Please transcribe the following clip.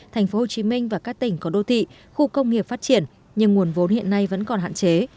tp hcm và các tỉnh có đô thị khu công nghiệp phát triển nhưng nguồn vốn hiện nay vẫn còn hạn chế